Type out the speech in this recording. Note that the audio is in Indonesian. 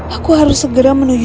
aku harus segera menuju